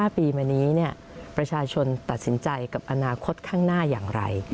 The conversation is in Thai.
๕ปีมานี้ประชาชนตัดสินใจกับอนาคตข้างหน้าอย่างไร